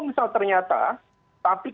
misal ternyata tapi